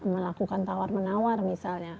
melakukan tawar menawar misalnya